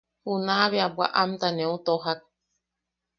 Junaʼa bea bwaʼamta neu tojak.